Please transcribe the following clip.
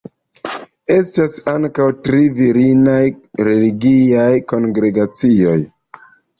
Estas ankaŭ tri virinaj religiaj kongregacioj.